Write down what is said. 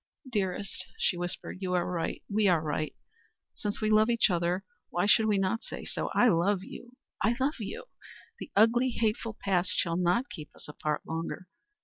"Dearest," she whispered, "you are right. We are right. Since we love each other, why should we not say so? I love you I love you. The ugly hateful past shall not keep us apart longer.